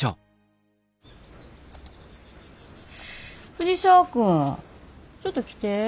藤沢君ちょっと来て。